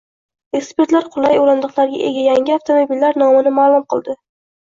Ekspertlar qulay o‘rindiqlarga ega yangi avtomobillar nomini ma’lum qildi